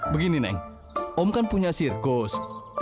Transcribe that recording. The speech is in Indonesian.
begini neng om kan punya sirkus